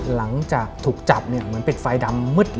หลังจากถูกจับเนี่ยเหมือนเป็นไฟดำมืดเหรอ